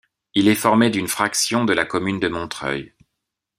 Il est formé d'une fraction de la commune de Montreuil.